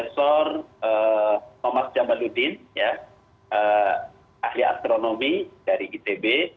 thomas jamaluddin ahli astronomi dari itb